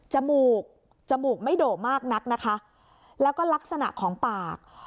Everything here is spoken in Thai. มูกจมูกไม่โด่มากนักนะคะแล้วก็ลักษณะของปาก